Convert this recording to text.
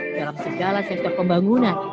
dalam segala sektor pembangunan